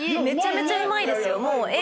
めちゃめちゃうまいですよ。